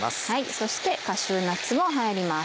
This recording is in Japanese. そしてカシューナッツも入ります。